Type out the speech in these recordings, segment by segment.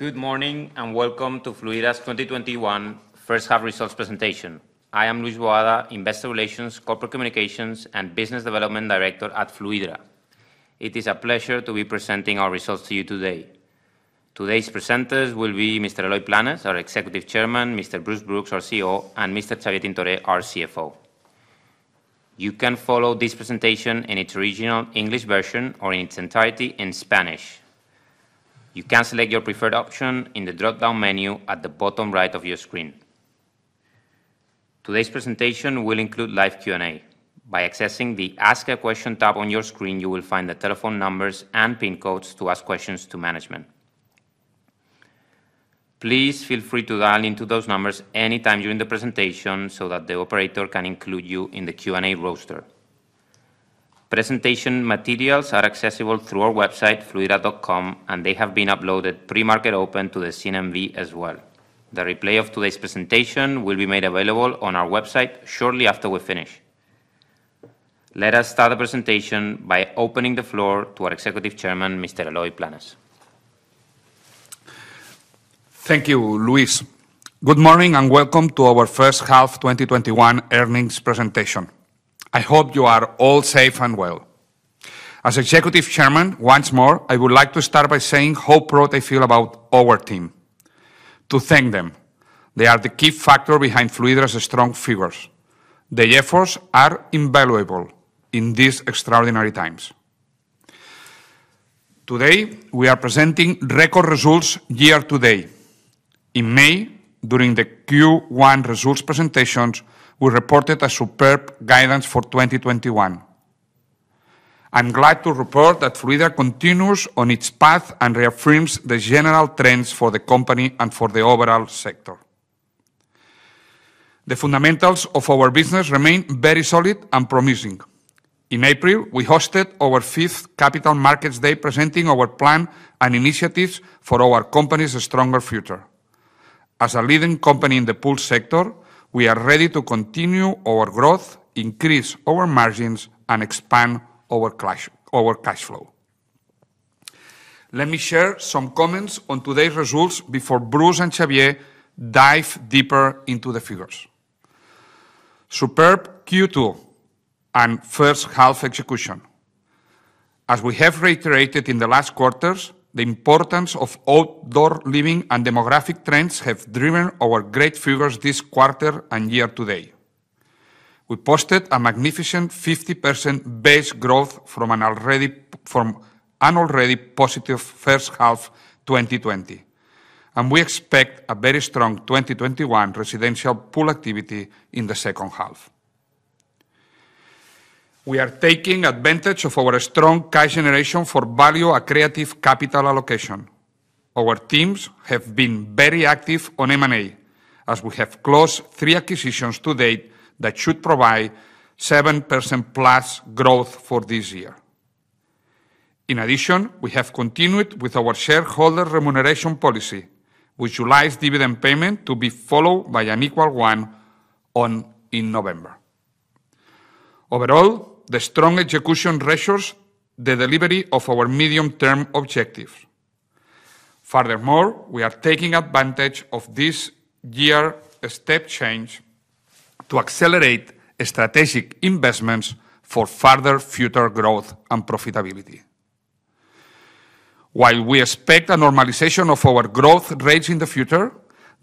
Good morning, and welcome to Fluidra's 2021 first-half results presentation. I am Luis Boada, Investor Relations, Corporate Communications, and Business Development Director at Fluidra. It is a pleasure to be presenting our results to you today. Today's presenters will be Mr. Eloy Planes, our Executive Chairman, Mr. Bruce Brooks, our CEO, and Mr. Xavier Tintoré, our CFO. You can follow this presentation in its original English version or in its entirety in Spanish. You can select your preferred option in the drop-down menu at the bottom right of your screen. Today's presentation will include live Q&A. By accessing the Ask a Question tab on your screen, you will find the telephone numbers and PIN codes to ask questions to management. Please feel free to dial into those numbers anytime during the presentation so that the operator can include you in the Q&A roster. Presentation materials are accessible through our website, fluidra.com, and they have been uploaded pre-market open to the CNMV as well. The replay of today's presentation will be made available on our website shortly after we finish. Let us start the presentation by opening the floor to our Executive Chairman, Mr. Eloy Planes. Thank you, Luis. Good morning, and welcome to our first-half 2021 earnings presentation. I hope you are all safe and well. As Executive Chairman, once more, I would like to start by saying how proud I feel about our team, to thank them. They are the key factor behind Fluidra's strong figures. Their efforts are invaluable in these extraordinary times. Today, we are presenting record results year-to-date. In May, during the Q1 results presentations, we reported a superb guidance for 2021. I'm glad to report that Fluidra continues on its path and reaffirms the general trends for the company and for the overall sector. The fundamentals of our business remain very solid and promising. In April, we hosted our fifth Capital Markets Day, presenting our plan and initiatives for our company's stronger future. As a leading company in the pool sector, we are ready to continue our growth, increase our margins, and expand our cash flow. Let me share some comments on today's results before Bruce Brooks and Xavier Tintoré dive deeper into the figures. Superb Q2 and first-half execution. As we have reiterated in the last quarters, the importance of outdoor living and demographic trends have driven our great figures this quarter and year to date. We posted a magnificent 50% base growth from an already positive first half 2020, and we expect a very strong 2021 residential pool activity in the second half. We are taking advantage of our strong cash generation for value accretive capital allocation. Our teams have been very active on M&A, as we have closed three acquisitions to date that should provide 7% plus growth for this year. In addition, we have continued with our shareholder remuneration policy, with July's dividend payment to be followed by an equal one in November. Overall, the strong execution reassures the delivery of our medium-turn objectives. Furthermore, we are taking advantage of this year's step change to accelerate strategic investments for further future growth and profitability. While we expect a normalization of our growth rates in the future,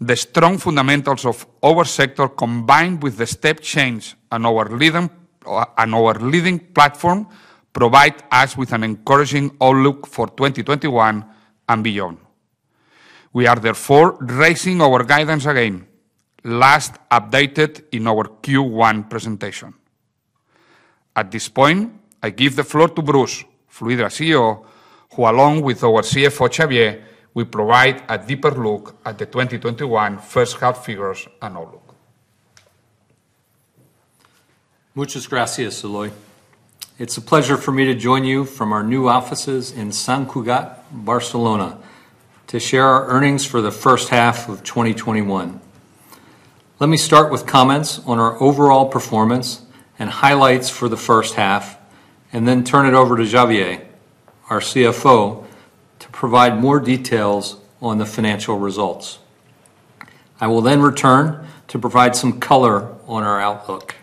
the strong fundamentals of our sector, combined with the step change and our leading platform, provide us with an encouraging outlook for 2021 and beyond. We are therefore raising our guidance again, last updated in our Q1 presentation. At this point, I give the floor to Bruce Brooks, Fluidra CEO, who along with our CFO, Xavier Tintoré, will provide a deeper look at the 2021 first-half figures and outlook. Muchas gracias, Eloy. It's a pleasure for me to join you from our new offices in Sant Cugat, Barcelona, to share our earnings for the first half of 2021. Let me start with comments on our overall performance and highlights for the first half, and then turn it over to Xavier, our CFO, to provide more details on the financial results. I will then return to provide some color on our outlook.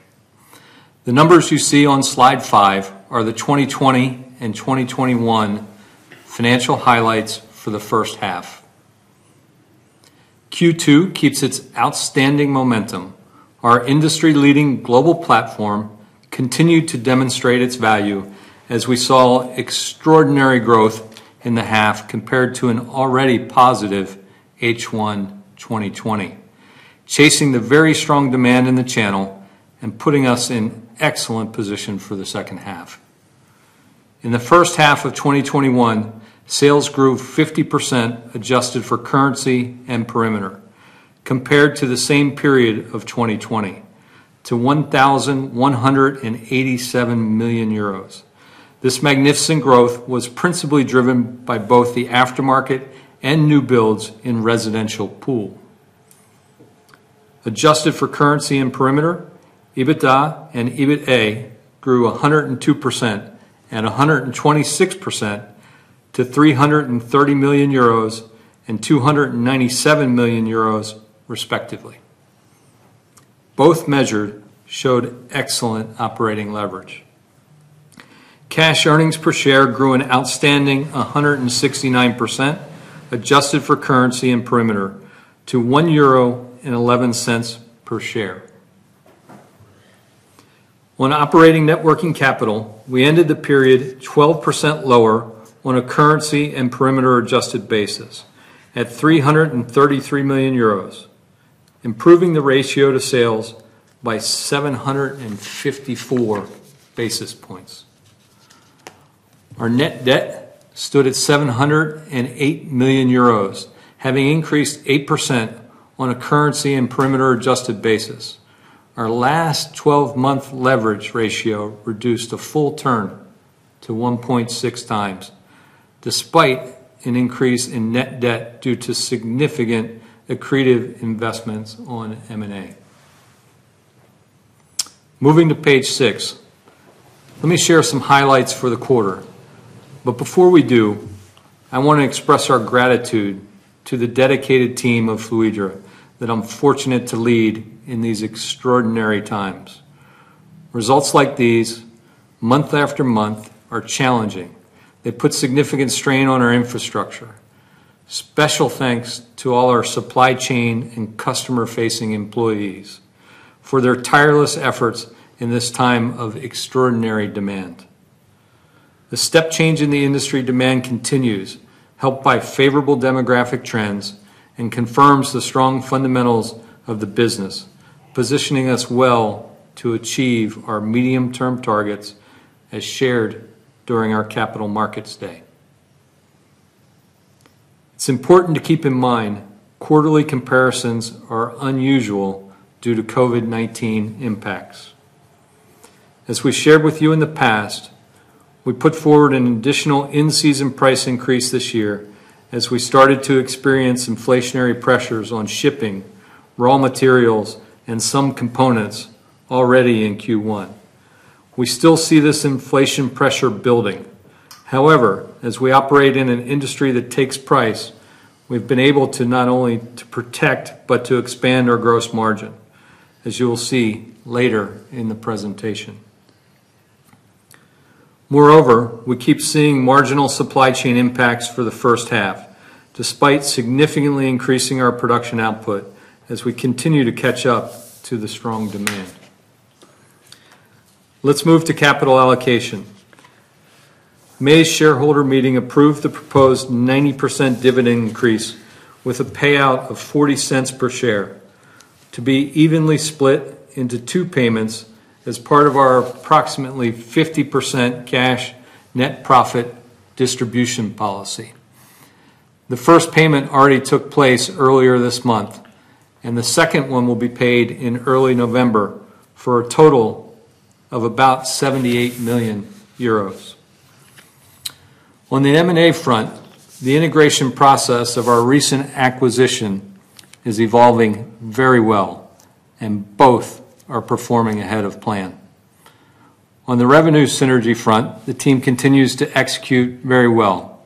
The numbers you see on slide five are the 2020 and 2021 financial highlights for the first half. Q2 keeps its outstanding momentum. Our industry-leading global platform continued to demonstrate its value as we saw extraordinary growth in the half compared to an already positive H1 2020, chasing the very strong demand in the channel and putting us in excellent position for the second half. In the first half of 2021, sales grew 50%, adjusted for currency and perimeter, compared to the same period of 2020, to 1,187 million euros. This magnificent growth was principally driven by both the aftermarket and new builds in residential pool. Adjusted for currency and perimeter, EBITDA and EBITA grew 102% and 126% to 330 million euros and 297 million euros respectively. Both measures showed excellent operating leverage. Cash earnings per share grew an outstanding 169%, adjusted for currency and perimeter, to 1.11 euro per share. On operating net working capital, we ended the period 12% lower on a currency and perimeter-adjusted basis at 333 million euros, improving the ratio to sales by 754 basis points. Our net debt stood at 708 million euros, having increased 8% on a currency and perimeter-adjusted basis. Our last 12-month leverage ratio reduced a full term to 1.6x, despite an increase in net debt due to significant accretive investments on M&A. Moving to page six, let me share some highlights for the quarter. Before we do, I want to express our gratitude to the dedicated team of Fluidra that I'm fortunate to lead in these extraordinary times. Results like these, month after month, are challenging. They put significant strain on our infrastructure. Special thanks to all our supply chain and customer-facing employees for their tireless efforts in this time of extraordinary demand. The step change in the industry demand continues, helped by favorable demographic trends, and confirms the strong fundamentals of the business, positioning us well to achieve our medium-term targets as shared during our Capital Markets Day. It's important to keep in mind, quarterly comparisons are unusual due to COVID-19 impacts. As we shared with you in the past, we put forward an additional in-season price increase this year as we started to experience inflationary pressures on shipping, raw materials, and some components already in Q1. We still see this inflation pressure building. However, as we operate in an industry that takes price, we've been able to not only to protect, but to expand our gross margin, as you will see later in the presentation. Moreover, we keep seeing marginal supply chain impacts for the first half, despite significantly increasing our production output as we continue to catch up to the strong demand. Let's move to capital allocation. May's shareholder meeting approved the proposed 90% dividend increase with a payout of 0.40 per share to be evenly split into two payments as part of our approximately 50% cash net profit distribution policy. The first payment already took place earlier this month. The second one will be paid in early November for a total of about 78 million euros. On the M&A front, the integration process of our recent acquisition is evolving very well and both are performing ahead of plan. On the revenue synergy front, the team continues to execute very well.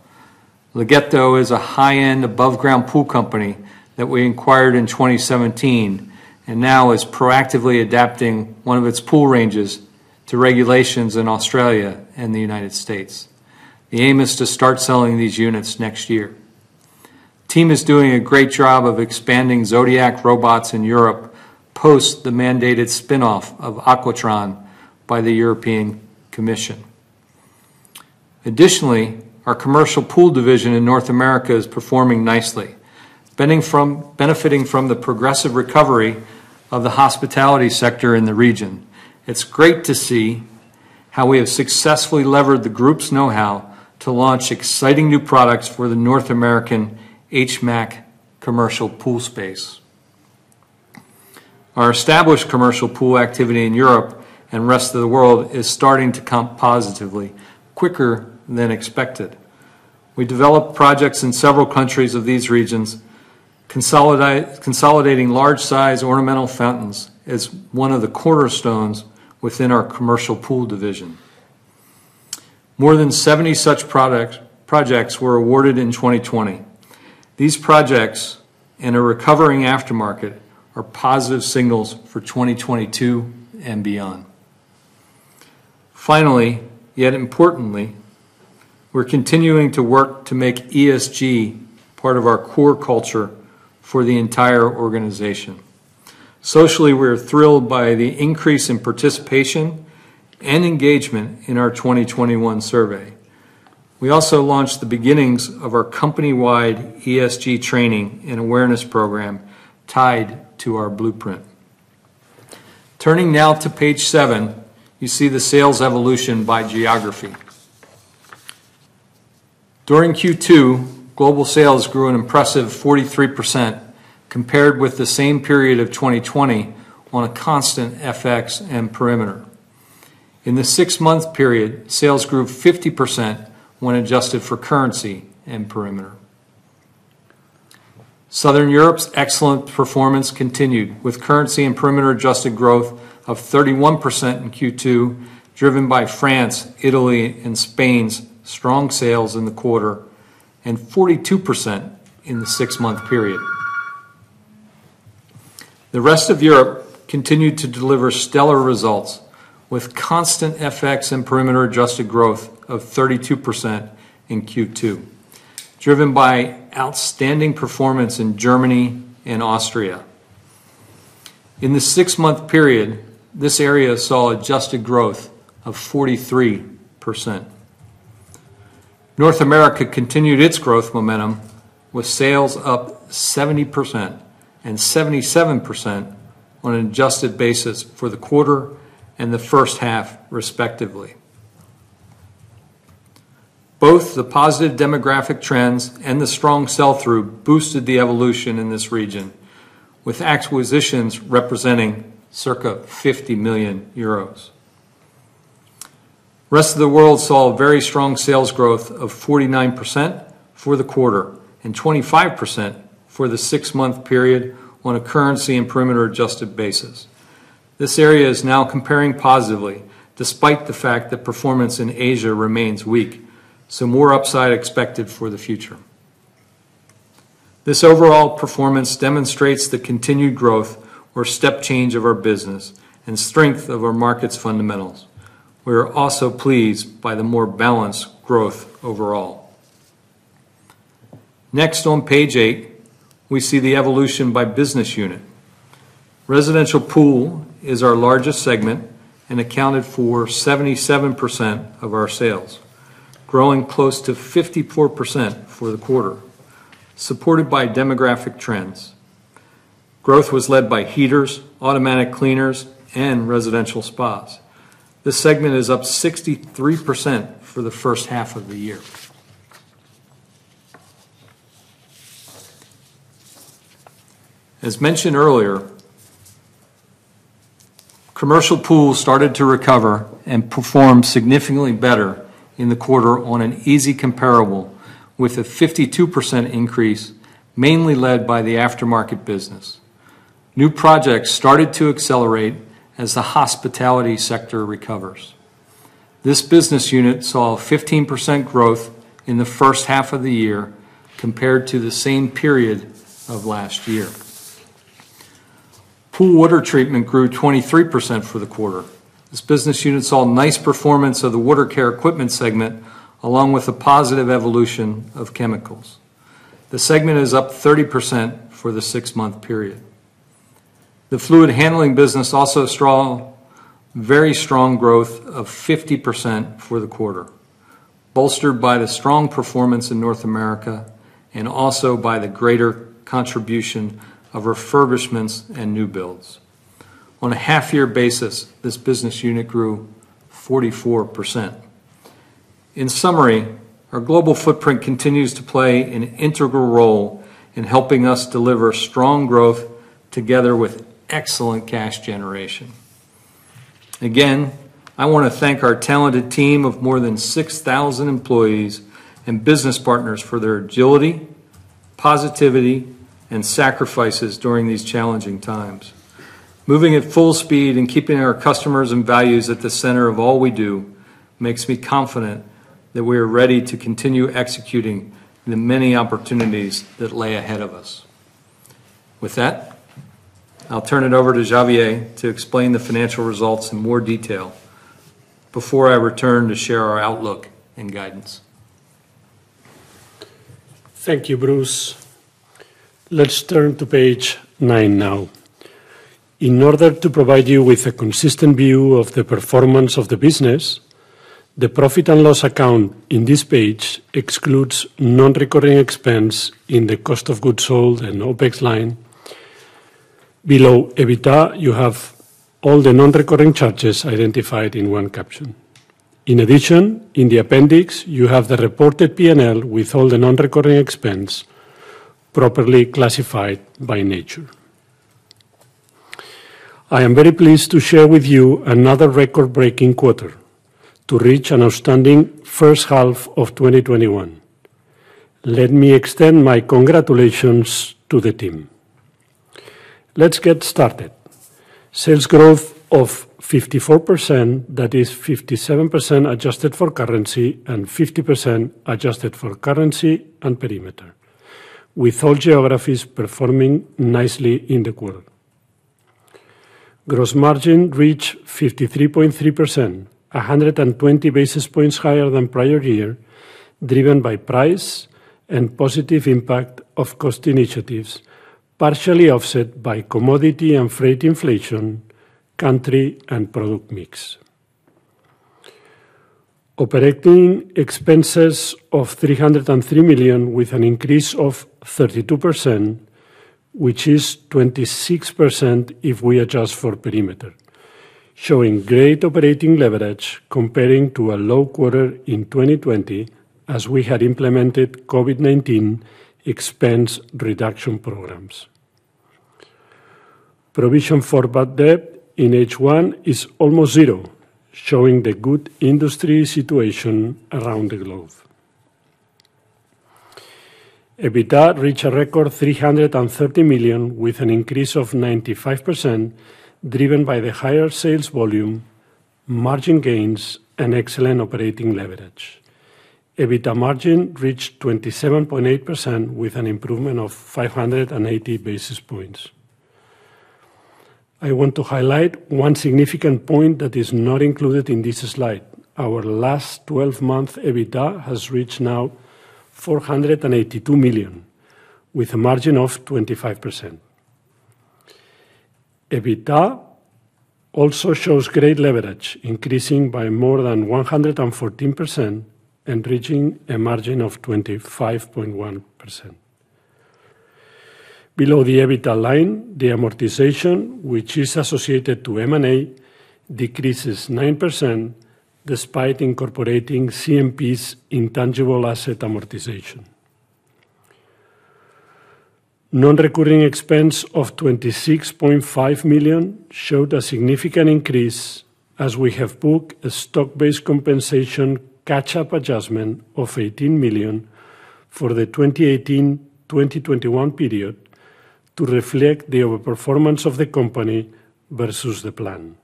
Laghetto is a high-end above ground pool company that we acquired in 2017 and now is proactively adapting one of its pool ranges to regulations in Australia and the U.S. The aim is to start selling these units next year. Team is doing a great job of expanding Zodiac Robots in Europe, post the mandated spin-off of Aquatron by the European Commission. Additionally, our commercial pool division in North America is performing nicely, benefiting from the progressive recovery of the hospitality sector in the region. It's great to see how we have successfully levered the group's know-how to launch exciting new products for the North American HVAC commercial pool space. Our established commercial pool activity in Europe and rest of the world is starting to comp positively quicker than expected. We developed projects in several countries of these regions, consolidating large-size ornamental fountains as one of the cornerstones within our commercial pool division. More than 70 such projects were awarded in 2020. These projects in a recovering aftermarket are positive signals for 2022 and beyond. Finally, yet importantly, we're continuing to work to make ESG part of our core culture for the entire organization. Socially, we're thrilled by the increase in participation and engagement in our 2021 survey. We also launched the beginnings of our company-wide ESG training and awareness program tied to our blueprint. Turning now to page seven, you see the sales evolution by geography. During Q2, global sales grew an impressive 43% compared with the same period of 2020 on a constant FX and perimeter. In the six-month period, sales grew 50% when adjusted for currency and perimeter. Southern Europe's excellent performance continued with currency and perimeter adjusted growth of 31% in Q2, driven by France, Italy, and Spain's strong sales in the quarter, and 42% in the six-month period. The rest of Europe continued to deliver stellar results with constant FX and perimeter adjusted growth of 32% in Q2, driven by outstanding performance in Germany and Austria. In the six-month period, this area saw adjusted growth of 43%. North America continued its growth momentum, with sales up 70% and 77% on an adjusted basis for the quarter and the first half respectively. Both the positive demographic trends and the strong sell-through boosted the evolution in this region, with acquisitions representing circa 50 million euros. Rest of the World saw very strong sales growth of 49% for the quarter and 25% for the six-month period on a currency and perimeter adjusted basis. This area is now comparing positively despite the fact that performance in Asia remains weak. More upside expected for the future. This overall performance demonstrates the continued growth or step change of our business and strength of our market's fundamentals. We are also pleased by the more balanced growth overall. Next on page eight, we see the evolution by business unit. Residential pool is our largest segment and accounted for 77% of our sales, growing close to 54% for the quarter, supported by demographic trends. Growth was led by heaters, automatic cleaners, and residential spas. This segment is up 63% for the first half of the year. As mentioned earlier, commercial pools started to recover and performed significantly better in the quarter on an easy comparable with a 52% increase, mainly led by the aftermarket business. New projects started to accelerate as the hospitality sector recovers. This business unit saw 15% growth in the first half of the year compared to the same period of last year. Pool water treatment grew 23% for the quarter. This business unit saw nice performance of the water care equipment segment, along with the positive evolution of chemicals. The segment is up 30% for the six-month period. The fluid handling business also saw very strong growth of 50% for the quarter, bolstered by the strong performance in North America and also by the greater contribution of refurbishments and new builds. On a half-year basis, this business unit grew 44%. In summary, our global footprint continues to play an integral role in helping us deliver strong growth together with excellent cash generation. Again, I want to thank our talented team of more than 6,000 employees and business partners for their agility, positivity, and sacrifices during these challenging times. Moving at full speed and keeping our customers and values at the center of all we do makes me confident that we are ready to continue executing the many opportunities that lay ahead of us. With that, I'll turn it over to Xavier to explain the financial results in more detail before I return to share our outlook and guidance. Thank you, Bruce. Let's turn to page nine now. In order to provide you with a consistent view of the performance of the business, the profit and loss account in this page excludes non-recurring expense in the cost of goods sold and OPEX line. Below EBITDA, you have all the non-recurring charges identified in one caption. In addition, in the appendix, you have the reported P&L with all the non-recurring expense properly classified by nature. I am very pleased to share with you another record-breaking quarter to reach an outstanding first half of 2021. Let me extend my congratulations to the team. Let's get started. Sales growth of 54%, that is 57% adjusted for currency and 50% adjusted for currency and perimeter, with all geographies performing nicely in the quarter. Gross margin reached 53.3%, 120 basis points higher than prior year, driven by price and positive impact of cost initiatives, partially offset by commodity and freight inflation, country and product mix. Operating expenses of 303 million with an increase of 32%, which is 26% if we adjust for perimeter, showing great operating leverage comparing to a low quarter in 2020 as we had implemented COVID-19 expense reduction programs. Provision for bad debt in H1 is almost zero, showing the good industry situation around the globe. EBITDA reached a record 330 million with an increase of 95%, driven by the higher sales volume, margin gains, and excellent operating leverage. EBITDA margin reached 27.8% with an improvement of 580 basis points. I want to highlight one significant point that is not included in this slide. Our last 12 months EBITDA has reached now 482 million, with a margin of 25%. EBITDA also shows great leverage, increasing by more than 114% and reaching a margin of 25.1%. Below the EBITDA line, the amortization, which is associated to M&A, decreases 9%, despite incorporating CMP's intangible asset amortization. Non-recurring expense of 26.5 million showed a significant increase as we have booked a stock-based compensation catch-up adjustment of 18 million for the 2018-2021 period to reflect the overperformance of the company versus the plan.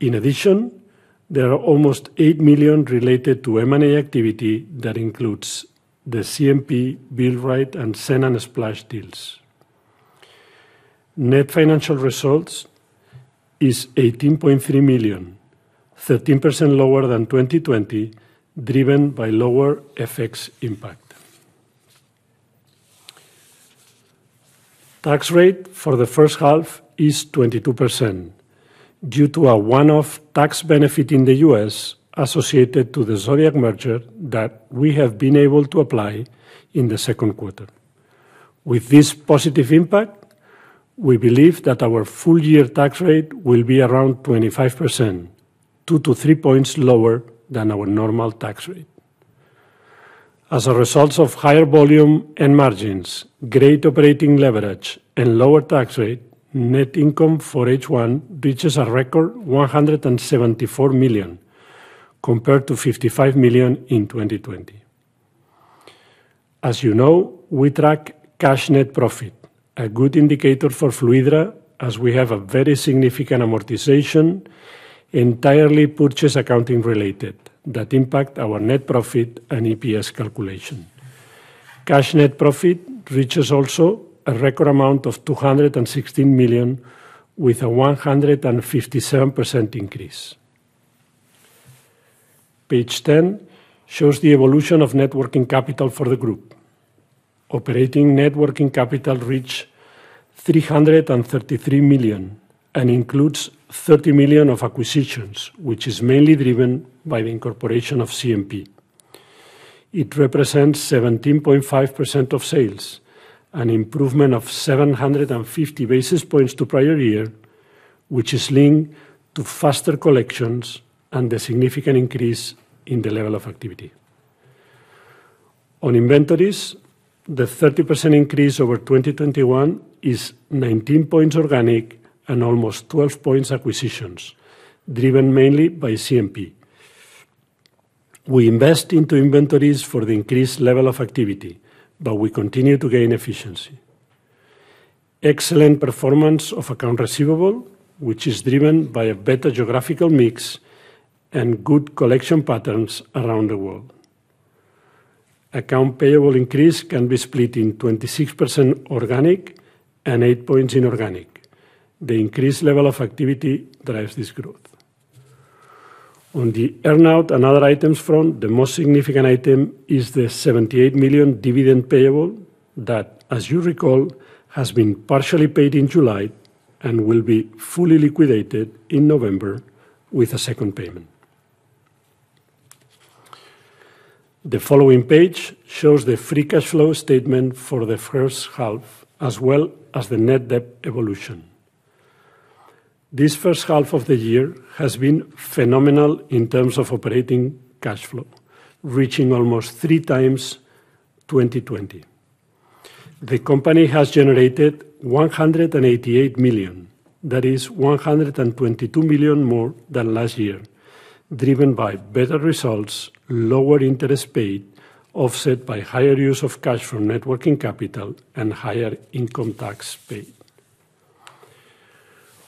In addition, there are almost 8 million related to M&A activity that includes the CMP, Built Right, and Splash & Zen deals. Net financial results is 18.3 million, 13% lower than 2020, driven by lower FX impact. Tax rate for the first half is 22% due to a one-off tax benefit in the U.S. associated to the Zodiac merger that we have been able to apply in the second quarter. With this positive impact, we believe that our full year tax rate will be around 25%, two to three points lower than our normal tax rate. As a result of higher volume and margins, great operating leverage, and lower tax rate, net income for H1 reaches a record 174 million compared to 55 million in 2020. As you know, we track cash net profit, a good indicator for Fluidra, as we have a very significant amortization, entirely purchase accounting related, that impact our net profit and EPS calculation. Cash net profit reaches also a record amount of 216 million with a 157% increase. Page 10 shows the evolution of net working capital for the group. Operating net working capital reached 333 million and includes 30 million of acquisitions, which is mainly driven by the incorporation of CMP. It represents 17.5% of sales, an improvement of 750 basis points to prior year, which is linked to faster collections and a significant increase in the level of activity. On inventories, the 30% increase over 2021 is 19 points organic and almost 12 points acquisitions, driven mainly by CMP. We invest into inventories for the increased level of activity, but we continue to gain efficiency. Excellent performance of accounts receivable, which is driven by a better geographical mix and good collection patterns around the world. Accounts payable increase can be split in 26% organic and 8 points inorganic. The increased level of activity drives this growth. On the earn out and other items front, the most significant item is the 78 million dividend payable that, as you recall, has been partially paid in July and will be fully liquidated in November with a second payment. The following page shows the free cash flow statement for the first half, as well as the net debt evolution. This first half of the year has been phenomenal in terms of operating cash flow, reaching almost 3x 2020. The company has generated 188 million. That is 122 million more than last year, driven by better results, lower interest paid, offset by higher use of cash from net working capital and higher income tax paid.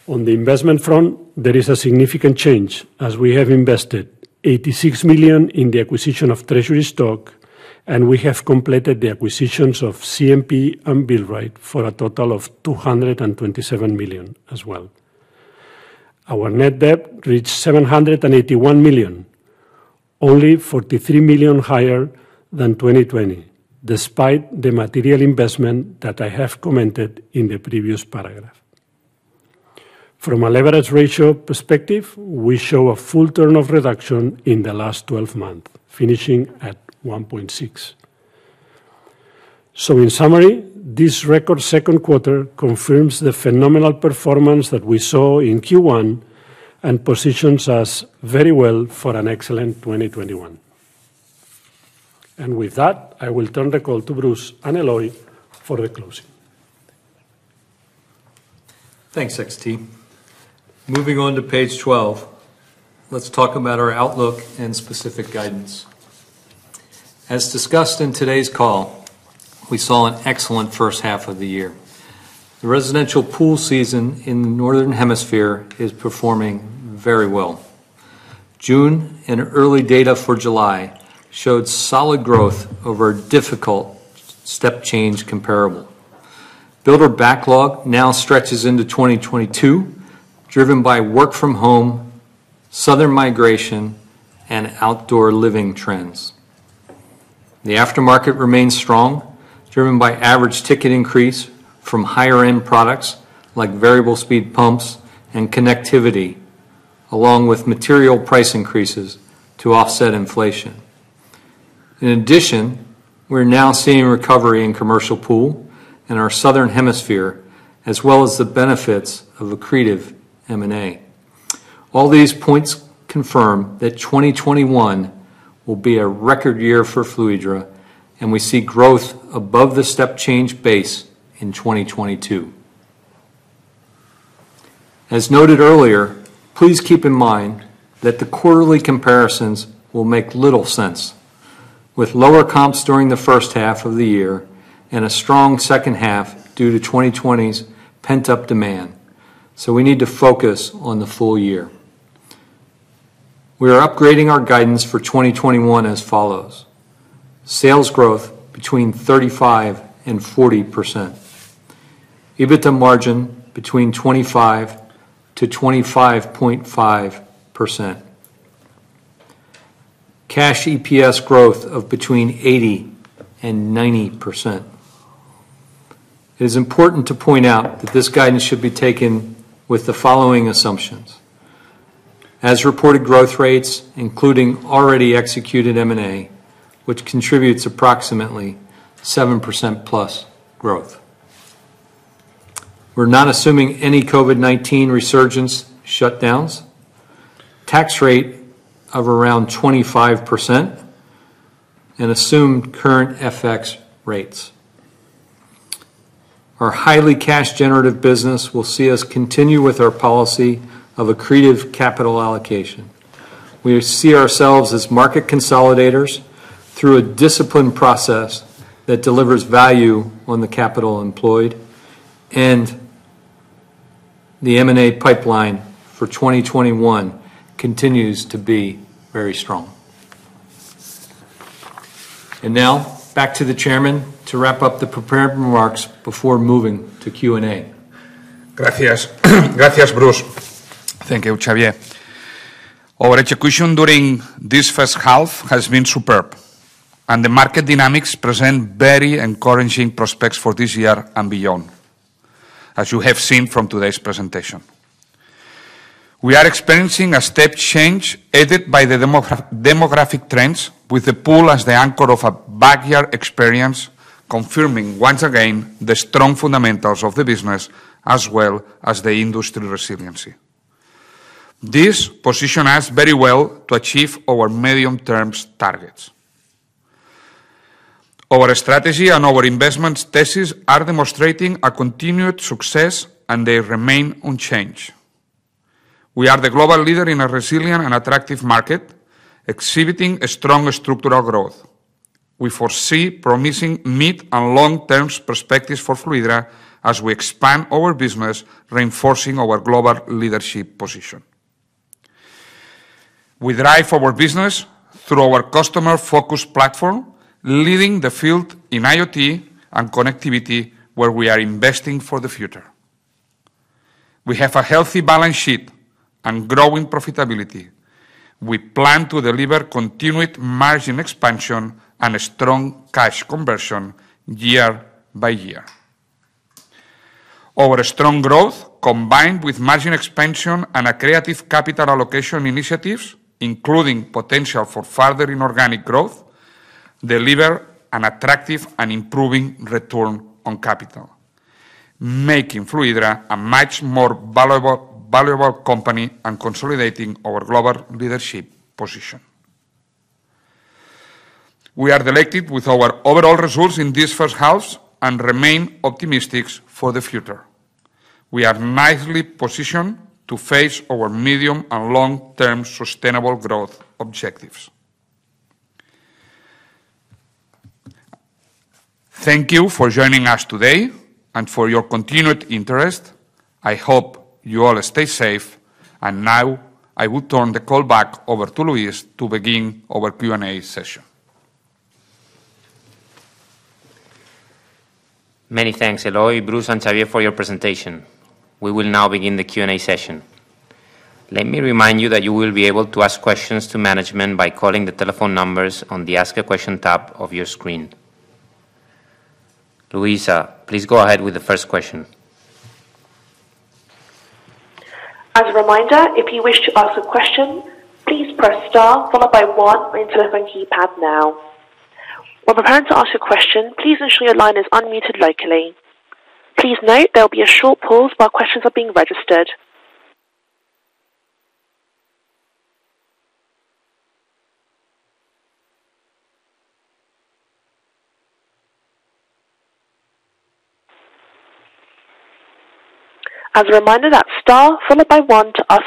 On the investment front, there is a significant change as we have invested 86 million in the acquisition of treasury stock, and we have completed the acquisitions of CMP and Built Right for a total of 227 million as well. Our net debt reached 781 million, only 43 million higher than 2020, despite the material investment that I have commented in the previous paragraph. From a leverage ratio perspective, we show a full turn of reduction in the last 12 months, finishing at 1.6x. In summary, this record second quarter confirms the phenomenal performance that we saw in Q1 and positions us very well for an excellent 2021. With that, I will turn the call to Bruce and Eloy for the closing. Thanks, XT. Moving on to page 12, let's talk about our outlook and specific guidance. As discussed in today's call, we saw an excellent first half of the year. The residential pool season in the Northern Hemisphere is performing very well. June and early data for July showed solid growth over a difficult step change comparable. Builder backlog now stretches into 2022, driven by work-from-home, southern migration, and outdoor living trends. The aftermarket remains strong, driven by average ticket increase from higher-end products like variable speed pumps and connectivity, along with material price increases to offset inflation. In addition, we're now seeing recovery in commercial pool in our Southern Hemisphere, as well as the benefits of accretive M&A. All these points confirm that 2021 will be a record year for Fluidra, and we see growth above the step change base in 2022. As noted earlier, please keep in mind that the quarterly comparisons will make little sense, with lower comps during the first half of the year and a strong second half due to 2020's pent-up demand, so we need to focus on the full year. We are upgrading our guidance for 2021 as follows. Sales growth between 35%-40%. EBITDA margin between 25%-25.5%. Cash EPS growth of between 80%-90%. It is important to point out that this guidance should be taken with the following assumptions. As reported growth rates, including already executed M&A, which contributes approximately 7% plus growth. We're not assuming any COVID-19 resurgence shutdowns. Tax rate of around 25%, and assumed current FX rates. Our highly cash-generative business will see us continue with our policy of accretive capital allocation. We see ourselves as market consolidators through a disciplined process that delivers value on the capital employed, and the M&A pipeline for 2021 continues to be very strong. Now, back to the chairman to wrap up the prepared remarks before moving to Q&A. Gracias. Gracias, Bruce. Thank you, Xavier. Our execution during this first half has been superb, and the market dynamics present very encouraging prospects for this year and beyond, as you have seen from today's presentation. We are experiencing a step change aided by the demographic trends with the pool as the anchor of a backyard experience, confirming once again the strong fundamentals of the business as well as the industry resiliency. This position us very well to achieve our medium-term targets. Our strategy and our investments thesis are demonstrating a continued success, and they remain unchanged. We are the global leader in a resilient and attractive market, exhibiting a strong structural growth. We foresee promising mid and long-term perspectives for Fluidra as we expand our business, reinforcing our global leadership position. We drive our business through our customer-focused platform, leading the field in IoT and connectivity, where we are investing for the future. We have a healthy balance sheet and growing profitability. We plan to deliver continued margin expansion and a strong cash conversion year by year. Our strong growth, combined with margin expansion and accretive capital allocation initiatives, including potential for further inorganic growth, deliver an attractive and improving return on capital, making Fluidra a much more valuable company and consolidating our global leadership position. We are delighted with our overall results in this first half and remain optimistic for the future. We are nicely positioned to face our medium and long-term sustainable growth objectives. Thank you for joining us today and for your continued interest. I hope you all stay safe. Now, I will turn the call back over to Luis to begin our Q&A session. Many thanks, Eloy, Bruce, and Xavier, for your presentation. We will now begin the Q&A session. Let me remind you that you will be able to ask questions to management by calling the telephone numbers on the Ask a Question tab of your screen. Luisa, please go ahead with the first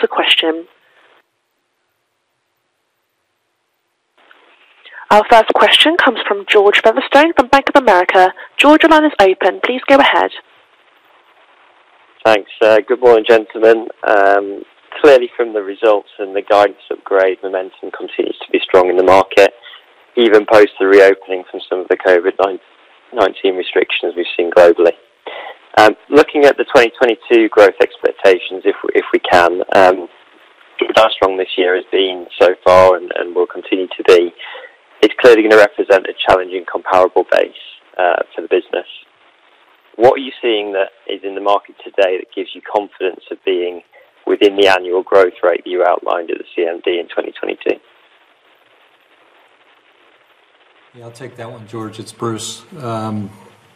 question. Our first question comes from George Featherstone from Bank of America. George, your line is open. Please go ahead. Thanks. Good morning, gentlemen. Clearly, from the results and the guidance upgrade, momentum continues to be strong in the market, even post the reopening from some of the COVID-19 restrictions we've seen globally. Looking at the 2022 growth expectations, if we can, as strong this year has been so far and will continue to be, it's clearly going to represent a challenging comparable base for the business. What are you seeing that is in the market today that gives you confidence of being within the annual growth rate that you outlined at the CMD in 2022? Yeah, I'll take that one, George. It's Bruce.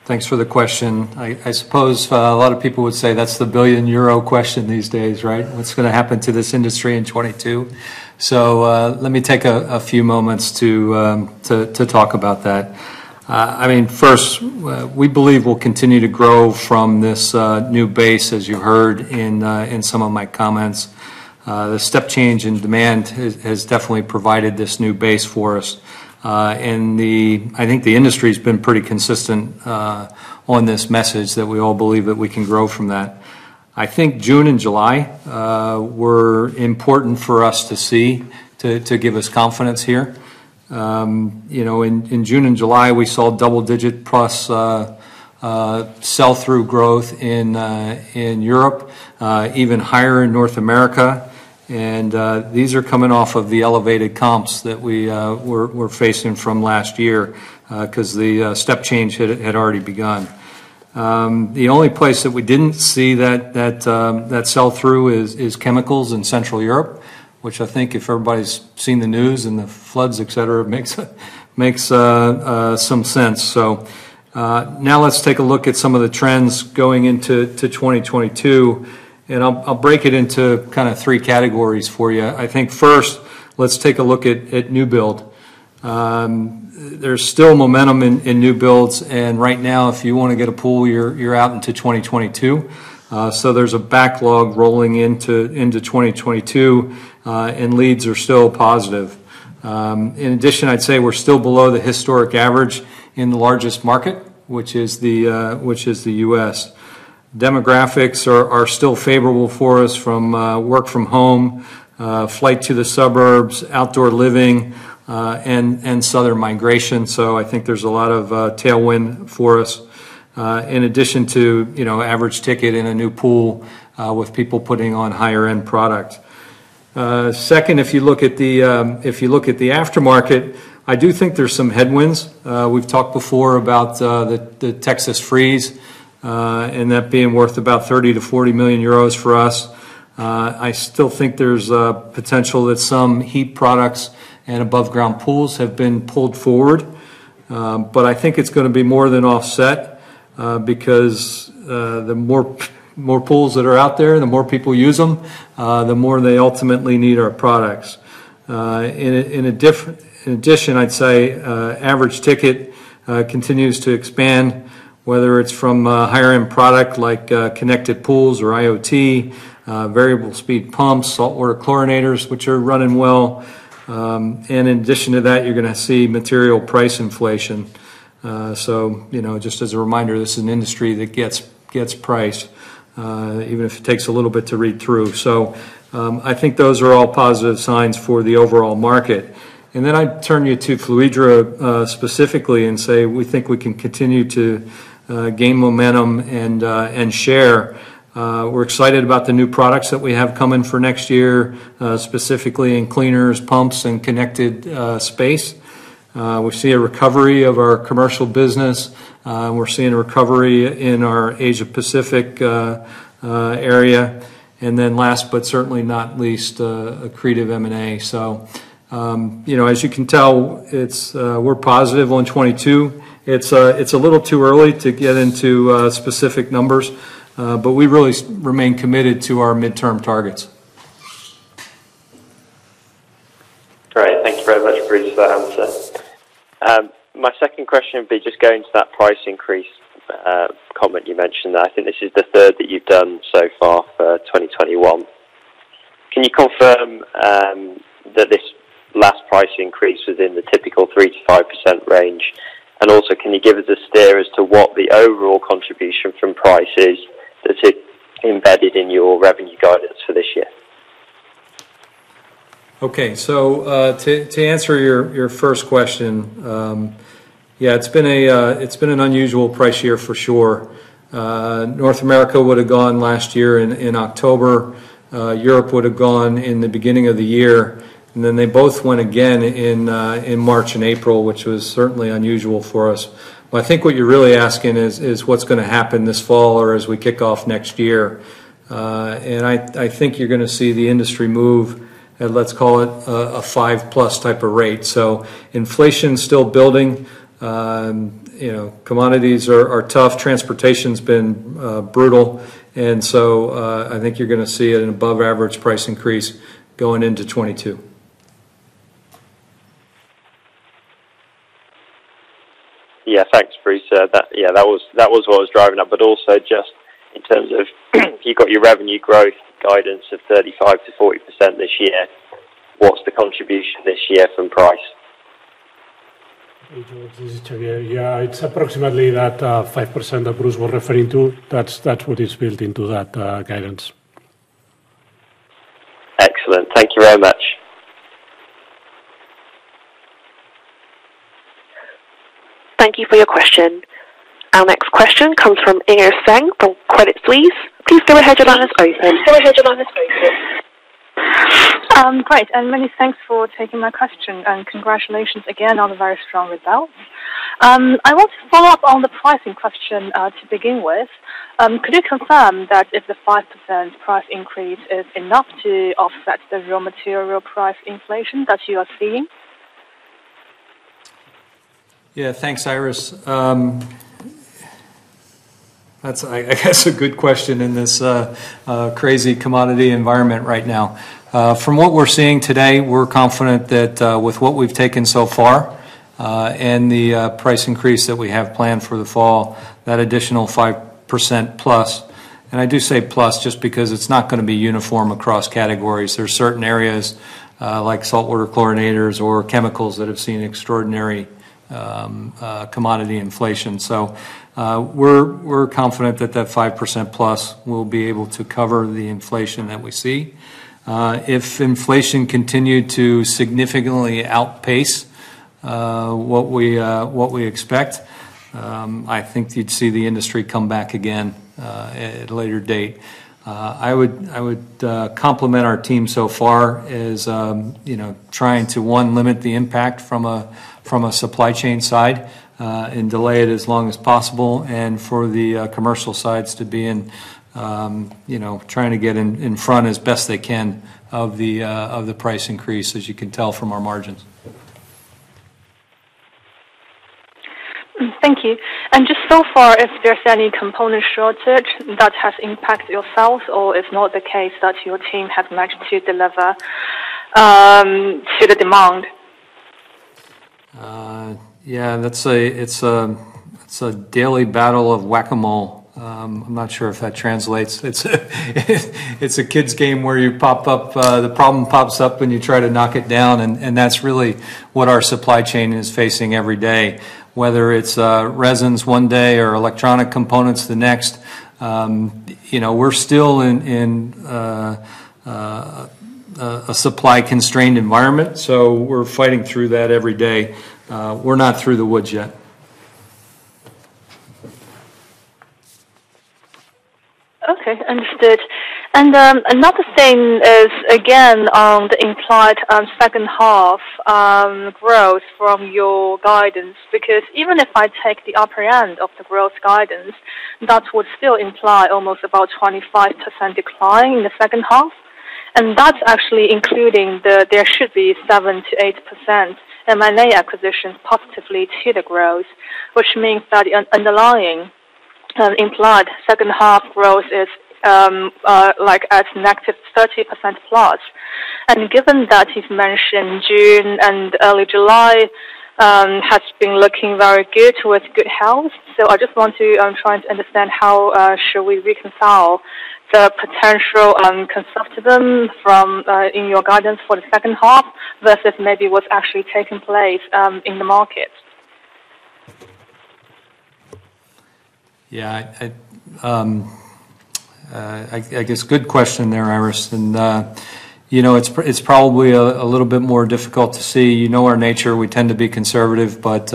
Thanks for the question. I suppose a lot of people would say that's the billion-euro question these days, right? What's going to happen to this industry in 2022? Let me take a few moments to talk about that. First, we believe we'll continue to grow from this new base, as you heard in some of my comments. The step change in demand has definitely provided this new base for us. I think the industry's been pretty consistent on this message that we all believe that we can grow from that. I think June and July were important for us to see, to give us confidence here. In June and July, we saw double-digit-plus sell-through growth in Europe, even higher in North America. These are coming off of the elevated comps that we're facing from last year, because the step change had already begun. The only place that we didn't see that sell-through is chemicals in Central Europe, which I think if everybody's seen the news and the floods, et cetera, makes some sense. Now let's take a look at some of the trends going into 2022. I'll break it into three categories for you. I think first, let's take a look at new build. There's still momentum in new builds. Right now, if you want to get a pool, you're out into 2022. There's a backlog rolling into 2022. Leads are still positive. I'd say we're still below the historic average in the largest market, which is the U.S. Demographics are still favorable for us from work from home, flight to the suburbs, outdoor living, and southern migration. I think there's a lot of tailwind for us, in addition to average ticket in a one new pool with people putting on higher-end product. Second, if you look at the aftermarket, I do think there's some headwinds. We've talked before about the Texas freeze, and that being worth about 30 million-40 million euros for us. I still think there's a potential that some heat products and above-ground pools have been pulled forward. I think it's going to be more than offset, because the more pools that are out there, the more people use them, the more they ultimately need our products. In addition, I'd say average ticket continues to expand, whether it's from a higher-end product like connected pools or IoT, variable speed pumps, saltwater chlorinators, which are running well. In addition to that, you're going to see material price inflation. Just as a reminder, this is an industry that gets priced, even if it takes a little bit to read through. I think those are all positive signs for the overall market. I'd turn you to Fluidra specifically and say we think we can continue to gain momentum and share. We're excited about the new products that we have coming for next year, specifically in cleaners, pumps, and connected space. We see a recovery of our commercial business. We're seeing a recovery in our Asia-Pacific area. Last but certainly not least, accretive M&A. As you can tell, we're positive on 2022. It's a little too early to get into specific numbers, but we really remain committed to our midterm targets. Great. Thank you very much, Bruce, for that answer. My second question would be just going to that price increase comment you mentioned. I think this is the third that you've done so far for 2021. Can you confirm that this last price increase is in the typical 3%-5% range? Also, can you give us a steer as to what the overall contribution from price is that is embedded in your revenue guidance for this year? To answer your first question, yeah, it's been an unusual price year for sure. North America would've gone last year in October. Europe would've gone in the beginning of the year. They both went again in March and April, which was certainly unusual for us. I think what you're really asking is what's going to happen this fall or as we kick off next year. I think you're going to see the industry move at, let's call it, a five-plus type of rate. Inflation's still building. Commodities are tough. Transportation's been brutal. I think you're going to see an above-average price increase going into 2022. Yeah. Thanks, Bruce. Yeah, that was what I was driving at, but also just in terms of you've got your revenue growth guidance of 35%-40% this year, what's the contribution this year from price? Okay, George. This is Xavier. Yeah, it's approximately that 5% that Bruce was referring to. That's what is built into that guidance. Excellent. Thank you very much. Thank you for your question. Our next question comes from Iris Zheng from Credit Suisse. Great, and many thanks for taking my question, and congratulations again on a very strong result. I want to follow up on the pricing question to begin with. Could you confirm that if the 5% price increase is enough to offset the raw material price inflation that you are seeing? Yeah, thanks, Iris. That's, I guess, a good question in this crazy commodity environment right now. From what we're seeing today, we're confident that with what we've taken so far, and the price increase that we have planned for the fall, that additional 5% plus, and I do say plus just because it's not going to be uniform across categories. There are certain areas, like saltwater chlorinators or chemicals, that have seen extraordinary commodity inflation. We're confident that that 5% plus will be able to cover the inflation that we see. If inflation continued to significantly outpace what we expect, I think you'd see the industry come back again at a later date. I would compliment our team so far as trying to, one, limit the impact from a supply chain side, and delay it as long as possible, and for the commercial sides to be trying to get in front as best they can of the price increase, as you can tell from our margins. Thank you. Just so far, if there's any component shortage that has impacted yourselves or if not the case that your team has managed to deliver to the demand? Yeah. It's a daily battle of Whac-A-Mole. I'm not sure if that translates. It's a kids game where the problem pops up and you try to knock it down, and that's really what our supply chain is facing every day, whether it's resins one day or electronic components the next. We're still in a supply-constrained environment, so we're fighting through that every day. We're not through the woods yet. Okay. Understood. Another thing is, again, on the implied second half growth from your guidance, because even if I take the upper end of the growth guidance, that would still imply almost about 25% decline in the second half. That's actually including the, there should be 7%-8% M&A acquisitions positively to the growth, which means that underlying implied second half growth is at negative 30%+. Given that you've mentioned June and early July has been looking very good with good health, I just want to try and understand how should we reconcile the potential conservatism from in your guidance for the second half versus maybe what's actually taking place in the market. Yeah. I guess good question there, Iris. It's probably a little bit more difficult to see. You know our nature. We tend to be conservative, but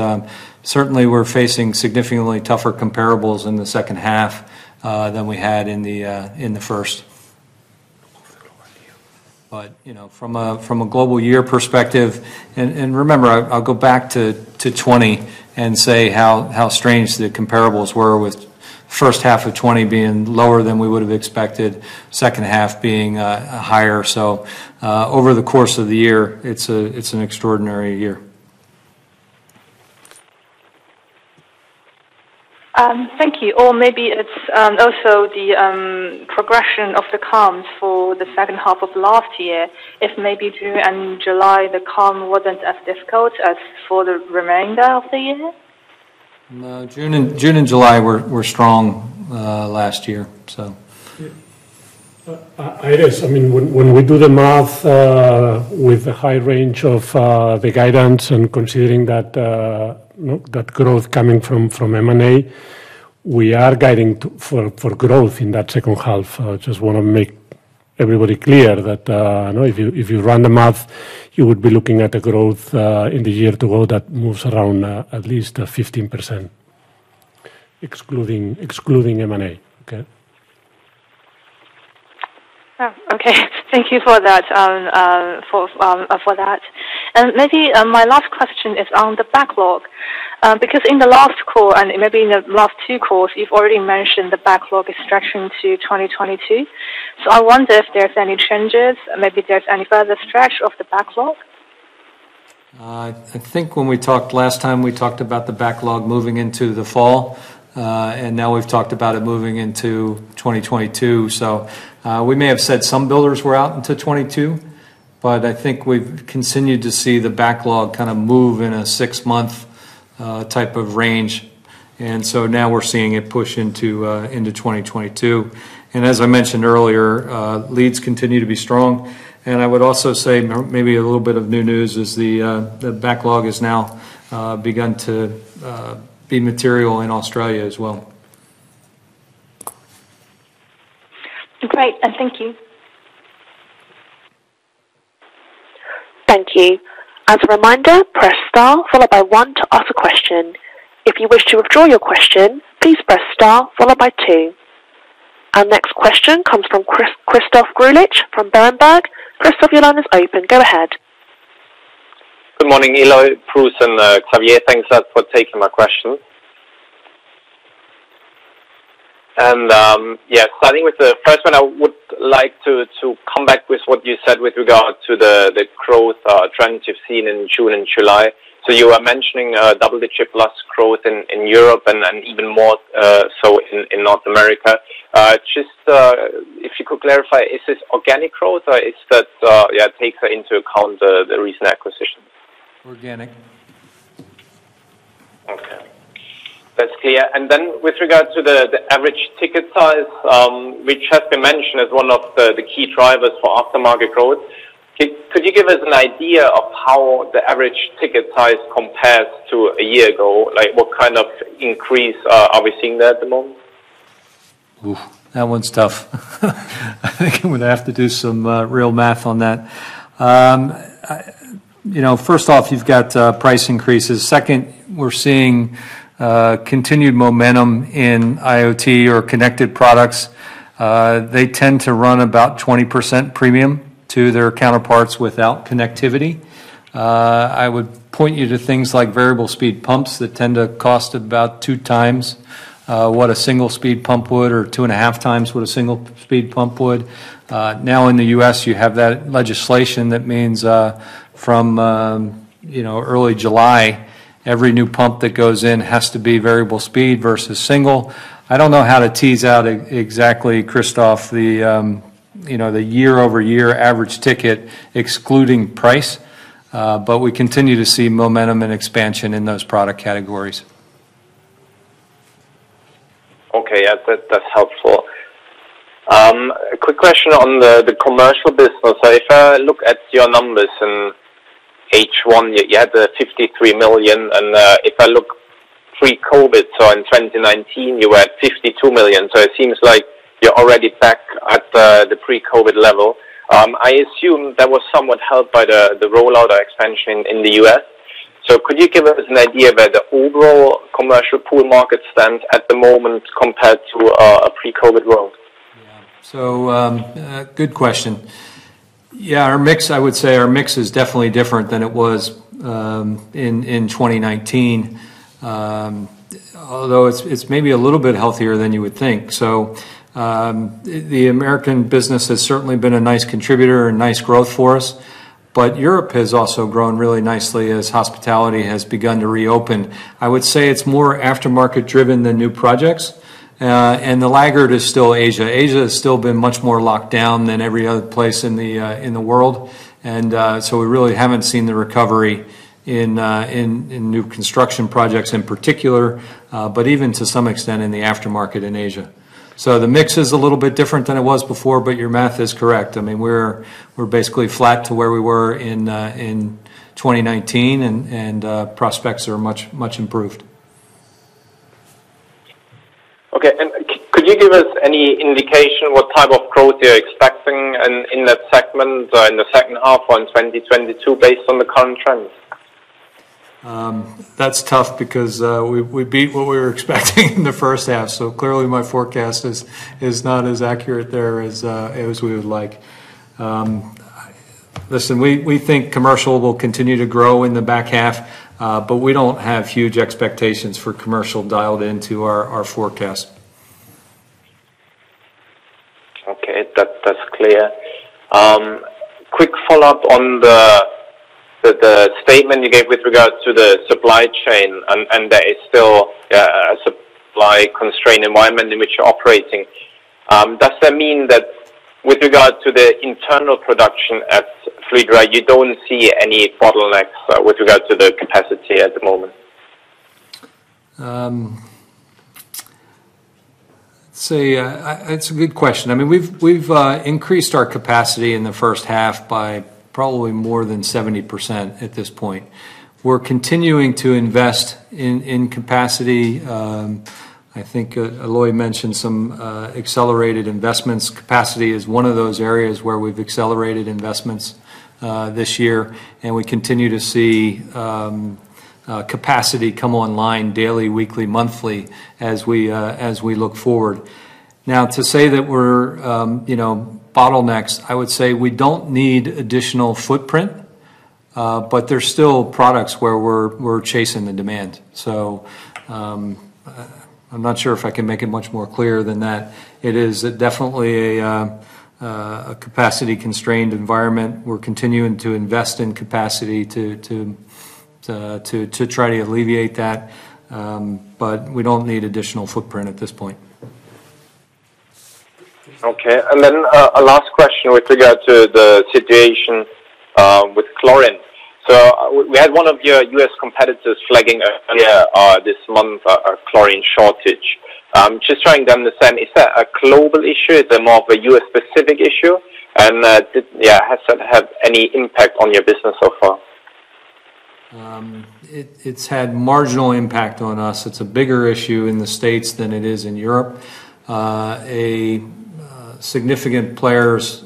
certainly we're facing significantly tougher comparables in the second half than we had in the first. From a global year perspective, and remember, I'll go back to 2020 and say how strange the comparables were with first half of 2020 being lower than we would've expected, second half being higher. Over the course of the year, it's an extraordinary year. Thank you. Maybe it's also the progression of the comps for the second half of last year, if maybe June and July, the comp wasn't as difficult as for the remainder of the year? No, June and July were strong last year, so. Iris, when we do the math with the high range of the guidance and considering that growth coming from M&A, we are guiding for growth in that second half. I just want to make everybody clear that if you run the math, you would be looking at a growth in the year-over-year that moves around at least a 15%, excluding M&A. Okay? Oh, okay. Thank you for that. Maybe my last question is on the backlog, because in the last call and maybe in the last 2 calls, you've already mentioned the backlog is stretching to 2022. I wonder if there's any changes, maybe there's any further stretch of the backlog? I think when we talked last time, we talked about the backlog moving into the fall. Now we've talked about it moving into 2022. We may have said some builders were out into 2022, but I think we've continued to see the backlog kind of move in a six-month type of range. Now we're seeing it push into 2022. As I mentioned earlier, leads continue to be strong. I would also say maybe a little bit of new news is the backlog has now begun to be material in Australia as well. Great. Thank you. Thank you. As a reminder, press star followed by one to ask a question. If you wish to withdraw your question, please press star followed by two. Our next question comes from Christoph Greulich from Berenberg. Christoph, your line is open. Go ahead. Good morning, Eloy, Bruce Brooks, and Xavier. Thanks a lot for taking my question. Yeah, starting with the first one, I would like to come back with what you said with regard to the growth trends you've seen in June and July. You are mentioning double-digit-plus growth in Europe and even more so in North America. Just if you could clarify, is this organic growth or it takes into account the recent acquisitions? Organic. Okay. That's clear. With regard to the average ticket size, which has been mentioned as one of the key drivers for aftermarket growth, could you give us an idea of how the average ticket size compares to a year ago? What kind of increase are we seeing there at the moment? Oof. That one's tough. I think I'm going to have to do some real math on that. First off, you've got price increases. Second, we're seeing continued momentum in IoT or connected products. They tend to run about 20% premium to their counterparts without connectivity. I would point you to things like variable speed pumps that tend to cost about 2x what a single speed pump would, or 2.5x what a single speed pump would. In the U.S., you have that legislation that means from early July, every new pump that goes in has to be variable speed versus single. I don't know how to tease out exactly, Christoph, the year-over-year average ticket excluding price. We continue to see momentum and expansion in those product categories. Okay. Yeah. That's helpful. A quick question on the commercial business. If I look at your numbers in H1, you had the 53 million, and if I look pre-COVID, in 2019, you were at 52 million. It seems like you're already back at the pre-COVID level. I assume that was somewhat helped by the rollout or expansion in the U.S. Could you give us an idea where the overall commercial pool market stands at the moment compared to a pre-COVID world? Good question. I would say our mix is definitely different than it was in 2019. Although it's maybe a little bit healthier than you would think. The American business has certainly been a nice contributor and nice growth for us. Europe has also grown really nicely as hospitality has begun to reopen. I would say it's more aftermarket driven than new projects. The laggard is still Asia. Asia has still been much more locked down than every other place in the world. We really haven't seen the recovery in new construction projects in particular, but even to some extent in the aftermarket in Asia. The mix is a little bit different than it was before, but your math is correct. We're basically flat to where we were in 2019 and prospects are much improved. Okay. Could you give us any indication what type of growth you're expecting in that segment in the second half on 2022 based on the current trends? That's tough because we beat what we were expecting in the first half. clearly my forecast is not as accurate there as we would like. Listen, we think commercial will continue to grow in the back half, we don't have huge expectations for commercial dialed into our forecast. Okay. That's clear. Quick follow-up on the statement you gave with regard to the supply chain, and that it's still a supply constrained environment in which you're operating. Does that mean that with regard to the internal production at Fluidra, you don't see any bottlenecks with regard to the capacity at the moment? Let's see. It's a good question. We've increased our capacity in the first half by probably more than 70% at this point. We're continuing to invest in capacity. I think Eloy mentioned some accelerated investments. Capacity is one of those areas where we've accelerated investments this year, and we continue to see capacity come online daily, weekly, monthly as we look forward. To say that we're bottlenecks, I would say we don't need additional footprint, but there's still products where we're chasing the demand. I'm not sure if I can make it much more clear than that. It is definitely a capacity constrained environment. We're continuing to invest in capacity to try to alleviate that, but we don't need additional footprint at this point. Okay. Then a last question with regard to the situation with chlorine. We had one of your U.S. competitors flagging earlier this month a chlorine shortage. Just trying to understand, is that a global issue? Is it more of a U.S.-specific issue? Did it have any impact on your business so far? It's had marginal impact on us. It's a bigger issue in the U.S. than it is in Europe. A significant player's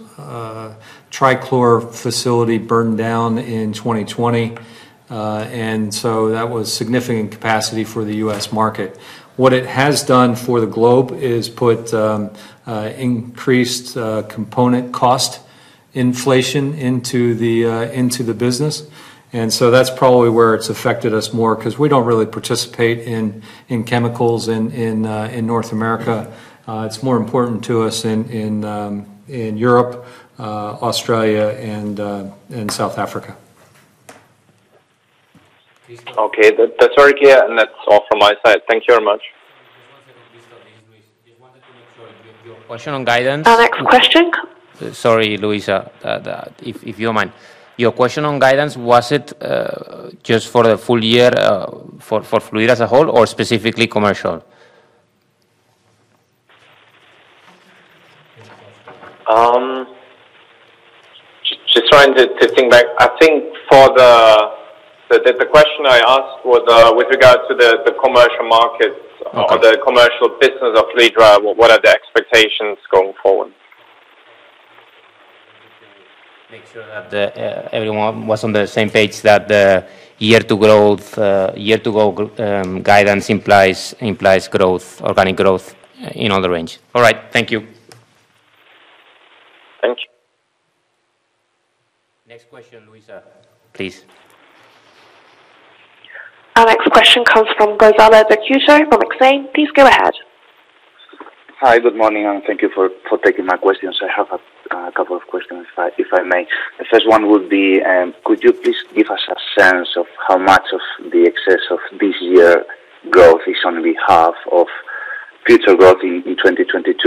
trichlor facility burned down in 2020, that was significant capacity for the U.S. market. What it has done for the globe is put increased component cost inflation into the business, that's probably where it's affected us more, because we don't really participate in chemicals in North America. It's more important to us in Europe, Australia, and South Africa. Okay. That's all clear, and that's all from my side. Thank you very much. Just one second, Christoph. Just wanted to make sure, your question on guidance. Our next question. Sorry, Luisa. If you don't mind. Your question on guidance, was it just for the full year for Fluidra as a whole, or specifically commercial? Just trying to think back. I think the question I asked was with regards to the commercial market- Okay The commercial business of Fluidra. What are the expectations going forward? Make sure that everyone was on the same page, that the year-to-year growth guidance implies organic growth in all the range. All right. Thank you. Thank you. Next question, Luisa, please. Our next question comes from Gonzalo de Cueto from Exane. Please go ahead. Hi, good morning, and thank you for taking my questions. I have a couple of questions, if I may. The first one would be, could you please give us a sense of how much of the excess of this year's growth is on behalf of future growth in 2022?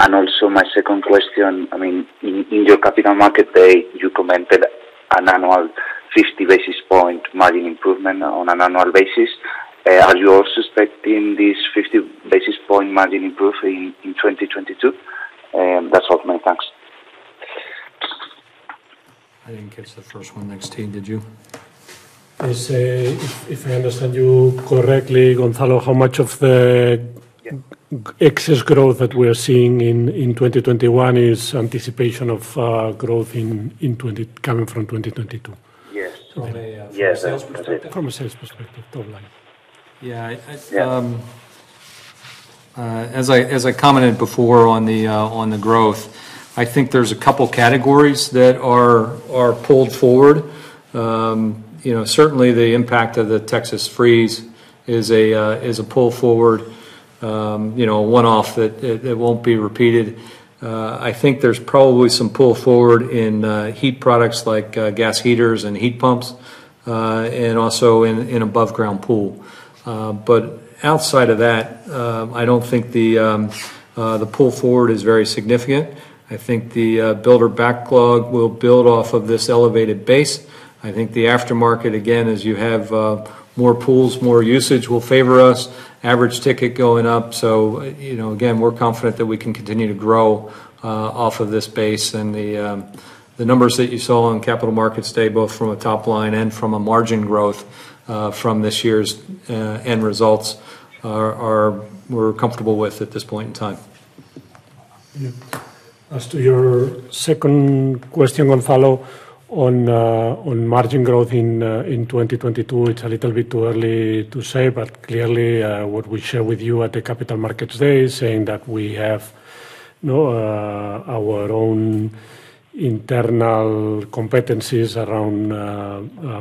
And also, my second question, in your Capital Markets Day, you commented an annual 50 basis point margin improvement on an annual basis. Are you also expecting this 50 basis point margin improvement in 2022? That's all. Many thanks. I didn't catch the first one, Xavier Tintoré, did you? If I understand you correctly, Gonzalo, how much of the excess growth that we're seeing in 2021 is anticipation of growth coming from 2022? Yes. From a sales perspective? From a sales perspective, top line. Yeah. As I commented before on the growth, I think there's a couple categories that are pulled forward. Certainly, the impact of the Texas freeze is a pull forward, a one-off that won't be repeated. I think there's probably some pull forward in heat products like gas heaters and heat pumps, and also in above ground pool. Outside of that, I don't think the pull forward is very significant. I think the builder backlog will build off of this elevated base. I think the aftermarket, again, as you have more pools, more usage will favor us, average ticket going up. Again, we're confident that we can continue to grow off of this base. The numbers that you saw on Capital Markets Day, both from a top line and from a margin growth from this year's end results, we're comfortable with at this point in time. As to your second question, Gonzalo, on margin growth in 2022, it's a little bit too early to say, but clearly, what we share with you at the Capital Markets Day is saying that we have our own internal competencies around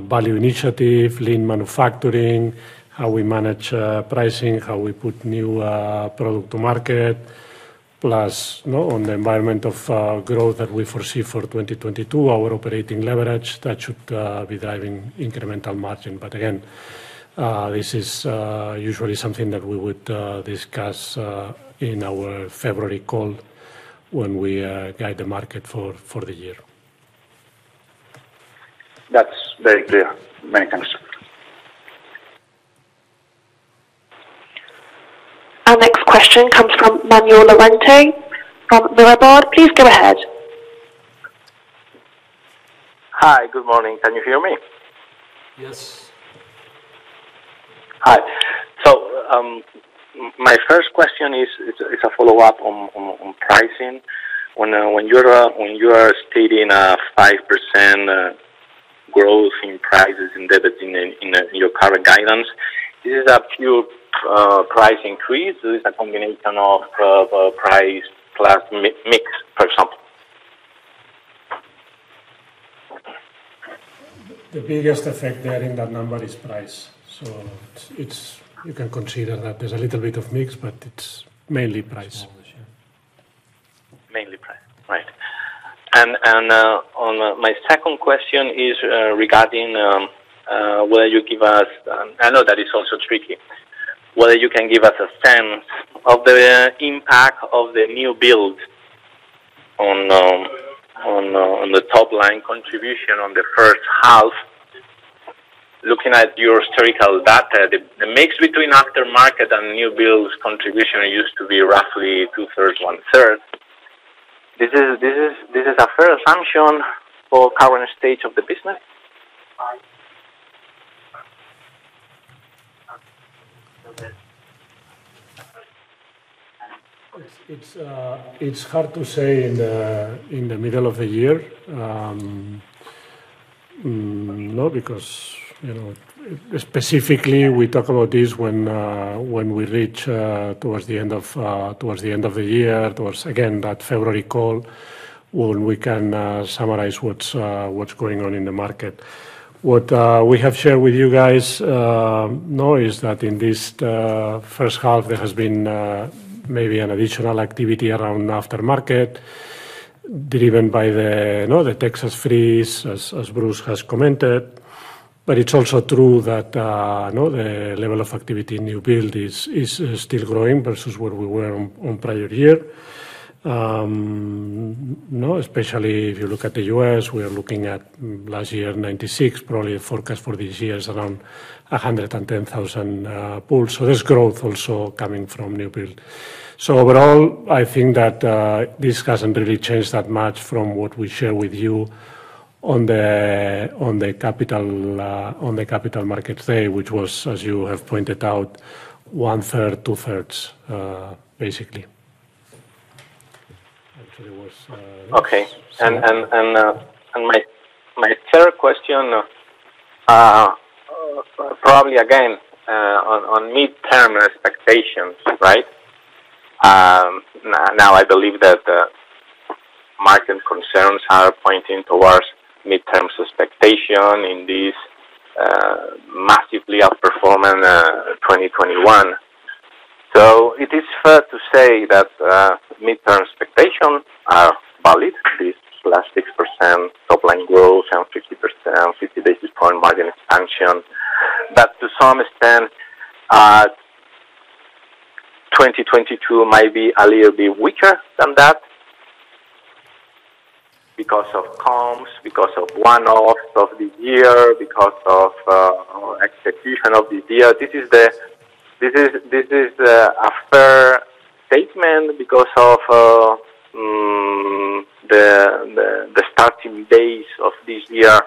value initiative, lean manufacturing, how we manage pricing, how we put new product to market, plus on the environment of growth that we foresee for 2022, our operating leverage, that should be driving incremental margin. Again, this is usually something that we would discuss in our February call when we guide the market for the year. That's very clear. Many thanks. Our next question comes from Manuel Lorente from Mirabaud. Please go ahead. Hi. Good morning. Can you hear me? Yes. Hi. My first question is a follow-up on pricing. When you are stating a 5% growth in prices embedded in your current guidance, this is a pure price increase. It's a combination of price plus mix, for example? The biggest effect there in that number is price. You can consider that there's a little bit of mix, but it's mainly price. Smallish, yeah. Mainly price. On my second question is regarding whether you give us, I know that it's also tricky, whether you can give us a sense of the impact of the new build on the top line contribution on the first half. Looking at your historical data, the mix between aftermarket and new builds contribution used to be roughly two-thirds, one-third. This is a fair assumption for current state of the business? Yes. It's hard to say in the middle of the year. Because, specifically, we talk about this when we reach towards the end of the year, towards, again, that February call, when we can summarize what's going on in the market. What we have shared with you guys, know is that in this first half, there has been maybe an additional activity around aftermarket, driven by the Texas freeze, as Bruce has commented. It's also true that the level of activity in new build is still growing versus where we were on prior year. Especially if you look at the U.S., we are looking at last year, 96, probably a forecast for this year is around 110,000 pools. There's growth also coming from new build. Overall, I think that this hasn't really changed that much from what we shared with you on the Capital Markets Day, which was, as you have pointed out, one third, two thirds, basically. Actually, it was less. Okay. My third question, probably again, on midterm expectations, right? Now, I believe that market concerns are pointing towards midterm expectation in this massively outperforming 2021. It is fair to say that midterm expectations are valid, this last 6% top line growth and 50 basis point margin expansion. To some extent, 2022 might be a little bit weaker than that because of comps, because of one-offs of the year, because of execution of this year. This is a fair statement because of the starting days of this year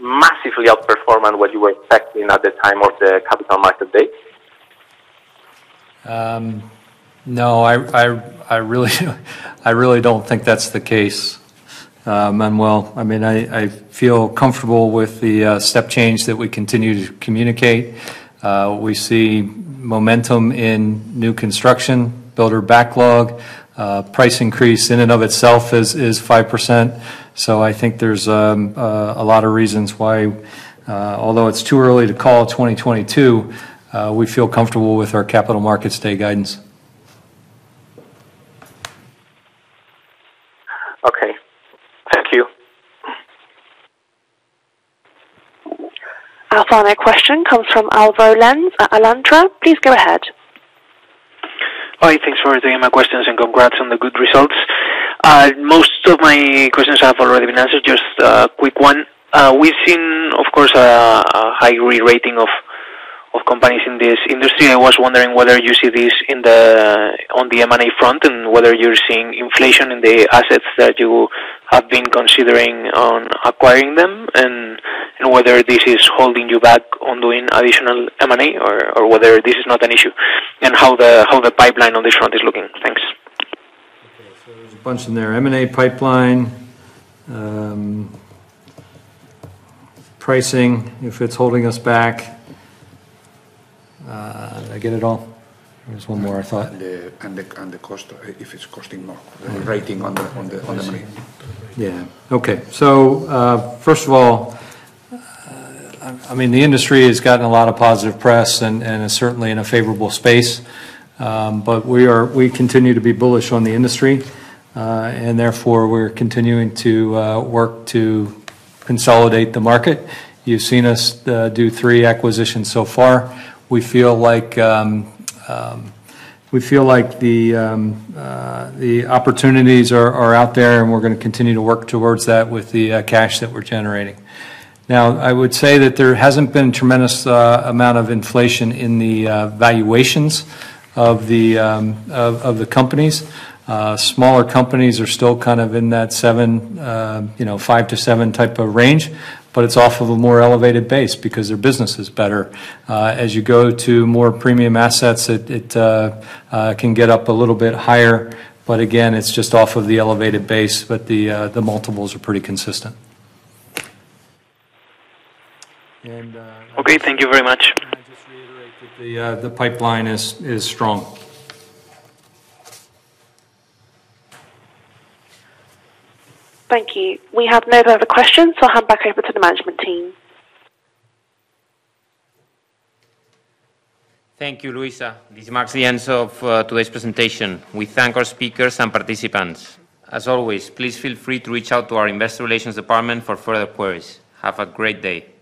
massively outperforming what you were expecting at the time of the Capital Markets Day? No, I really don't think that's the case. Manuel, I feel comfortable with the step change that we continue to communicate. We see momentum in new construction, builder backlog. Price increase in and of itself is 5%. I think there's a lot of reasons why. Although it's too early to call 2022, we feel comfortable with our Capital Markets Day guidance. Okay. Thank you. Our final question comes from Alvaro Lenze at Alantra. Please go ahead. Hi, thanks for taking my questions, and congrats on the good results. Most of my questions have already been answered, just a quick one. We've seen, of course, a high re-rating of companies in this industry. I was wondering whether you see this on the M&A front, and whether you're seeing inflation in the assets that you have been considering on acquiring them, and whether this is holding you back on doing additional M&A or whether this is not an issue. How the pipeline on this front is looking. Thanks. Okay. There's a bunch in there. M&A pipeline, pricing, if it's holding us back. Did I get it all? There was one more, I thought. The cost, if it's costing more, the rating on the M&A. Yeah. Okay. First of all, the industry has gotten a lot of positive press and is certainly in a favorable space. We continue to be bullish on the industry, and therefore, we're continuing to work to consolidate the market. You've seen us do three acquisitions so far. We feel like the opportunities are out there, and we're going to continue to work towards that with the cash that we're generating. Now, I would say that there hasn't been tremendous amount of inflation in the valuations of the companies. Smaller companies are still kind of in that five to seven type of range, it's off of a more elevated base because their business is better. As you go to more premium assets, it can get up a little bit higher. Again, it's just off of the elevated base, the multiples are pretty consistent. Okay. Thank you very much. I just reiterate that the pipeline is strong. Thank you. We have no further questions, so I'll hand back over to the management team. Thank you, Luisa. This marks the end of today's presentation. We thank our speakers and participants. As always, please feel free to reach out to our investor relations department for further queries. Have a great day.